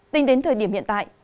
tính đến thời điểm hiện tại